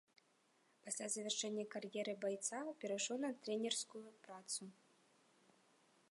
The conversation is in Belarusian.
Пасля завяршэння кар'еры байца перайшоў на трэнерскую працу.